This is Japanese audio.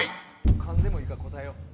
勘でもいいから答えよう。